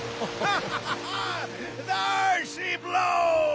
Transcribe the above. ハハハハ！